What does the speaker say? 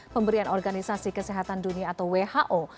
pemberian organisasi kesehatan dunia atau who